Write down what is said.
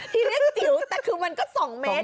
แต่คือมันก็๒เมตร